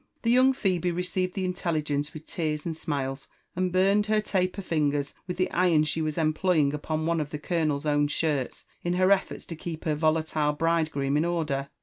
The young Phebe received the intelligence with tears and smiles, and burned her taper fingers with the iron she was employing upon one of the colonel's own shirts, in her efforts to keep her volatile bride groom in order.